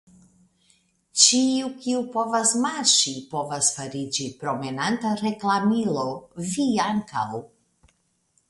Ĉiu, kiu povas marŝi, povas fariĝi promenanta reklamilo, vi ankaŭ.